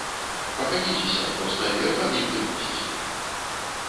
Пагадзіцеся, проста верх аб'ектыўнасці.